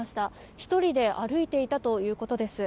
１人で歩いていたということです。